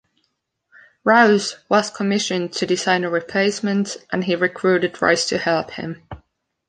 Rowse was commissioned to design a replacement, and he recruited Rice to help him.